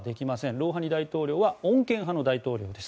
ロウハニ大統領は穏健派の大統領です。